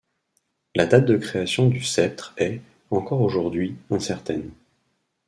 La date de création du sceptre est, encore aujourd'hui, incertaine.